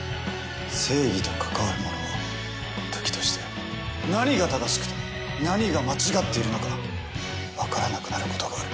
正義と関わる者は時として何が正しくて何が間違っているのか分からなくなることがある。